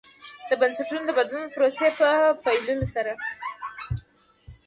د بنسټونو د بدلون پروسې په پیلولو سره.